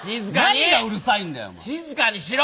何がうるさいんだよお前。